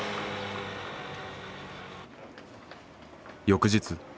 翌日。